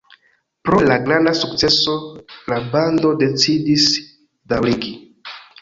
Pro la granda sukceso la bando decidis daŭrigi.